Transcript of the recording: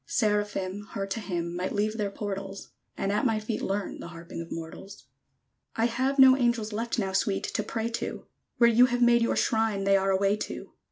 Seraphim, Her to hymn, Might leave their portals; And at my feet learn The harping of mortals! I have no angels left Now, Sweet, to pray to: Where you have made your shrine They are away to.